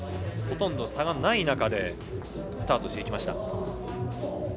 ほとんど差がない中でスタートしていきました。